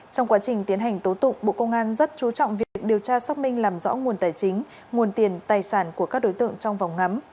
trong quá trình tiến hành tố tụng bộ công an rất chú trọng việc điều tra xác minh làm rõ nguồn tài chính nguồn tiền tài sản của các đối tượng trong vòng ngắm